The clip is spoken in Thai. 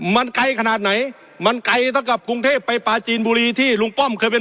มันไกลขนาดไหนมันไกลเท่ากับกรุงเทพไปปลาจีนบุรีที่ลุงป้อมเคยเป็น